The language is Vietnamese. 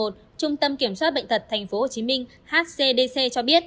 trung tâm kiểm soát bệnh tật tp hcm hcdc cho biết